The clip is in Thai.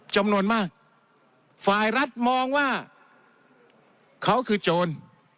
จำนวนมากฝ่ายรัฐมองว่าเขาคือโจร